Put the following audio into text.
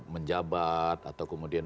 menjabat atau kemudian